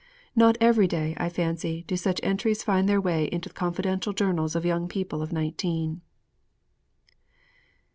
Not every day, I fancy, do such entries find their way into the confidential journals of young people of nineteen.